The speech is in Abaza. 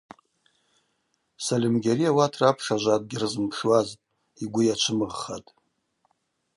Сальымгьари ауат рапш ажва дгьырзымпшуазтӏ, йгвы йачвымыгъхатӏ.